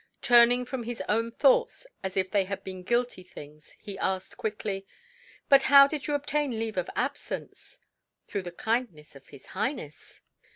Turning from his own thoughts as if they had been guilty things, he asked quickly, "But how did you obtain leave of absence?" "Through the kindness of his Highness."